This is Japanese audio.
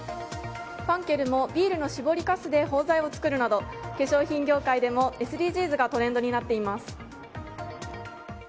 ファンケルもビールの搾りかすで包材を作るなど化粧品業界でもＳＤＧｓがトレンドになっています。